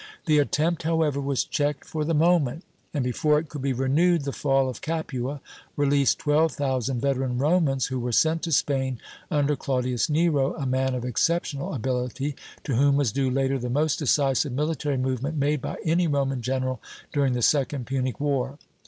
The attempt, however, was checked for the moment; and before it could be renewed, the fall of Capua released twelve thousand veteran Romans, who were sent to Spain under Claudius Nero, a man of exceptional ability, to whom was due later the most decisive military movement made by any Roman general during the Second Punic War.